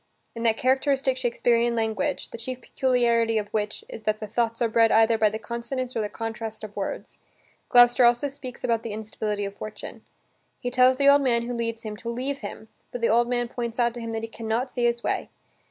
In that characteristic Shakespearean language, the chief peculiarity of which is that the thoughts are bred either by the consonance or the contrasts of words, Gloucester also speaks about the instability of fortune. He tells the old man who leads him to leave him, but the old man points out to him that he can not see his way.